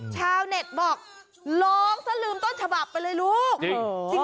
ชาวเน็ตบอกร้องซะลืมต้นฉบับไปเลยลูก